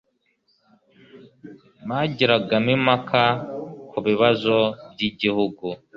bagiragamo impaka, ku bibazo by'igihugu